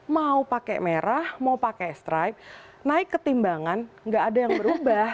mau pakai merah mau pakai stripe naik ketimbangan nggak ada yang berubah